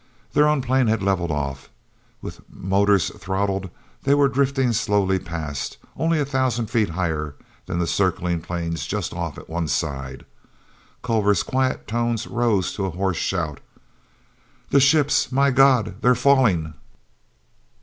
Their own plane had leveled off. With motors throttled they were drifting slowly past, only a thousand feet higher than the circling planes just off at one side. Culver's quiet tones rose to a hoarse shout: "The ships! My God, they're falling!"